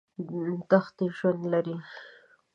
دښتې ژوند لري.